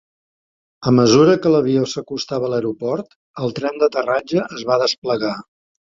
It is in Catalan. A mesura que l'avió s'acostava a l'aeroport, el tren d'aterratge es va desplegar.